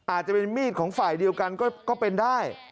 อาจจะเป็นมีดของฝ่ายเดียวกันก็เป็นได้